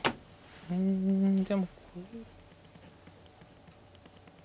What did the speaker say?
うんでもこれ。